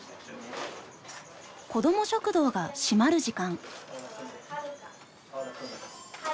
こども食堂が閉まる時間。